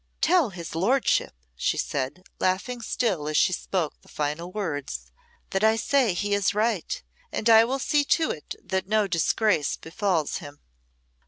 "Tell his lordship," she said, laughing still as she spoke the final words, "that I say he is right and I will see to it that no disgrace befalls him."